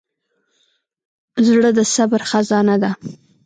زړه د صبر خزانه ده.